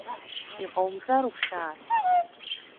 Иҟаумҵароуп хьаас.